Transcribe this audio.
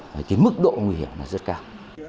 cái mức độ nguy hiểm là rất cao